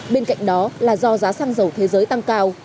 bên cạnh đó là do giá xăng dầu thế giới tăng cao